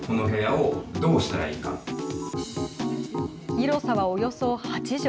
広さはおよそ８畳。